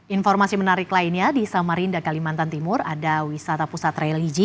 informasi menarik lainnya di samarinda kalimantan timur ada wisata pusat religi